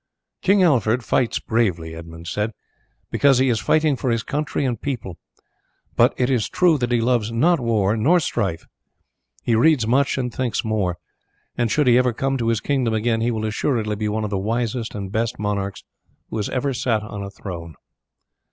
"King Alfred fights bravely," Edmund said, "because he is fighting for his country and people; but it is true that he loves not war nor strife. He reads much and thinks more, and should he ever come to his kingdom again he will assuredly be one of the wisest and best monarchs who has ever sat on a throne.